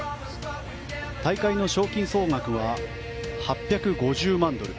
大会の賞金総額は８５０万ドル